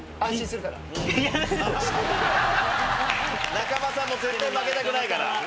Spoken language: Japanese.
仲間さんも絶対負けたくないから。